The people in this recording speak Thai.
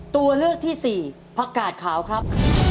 ตัวเลือกที่สี่ผักกาดขาวครับ